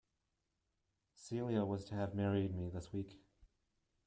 Celia was to have married me this week.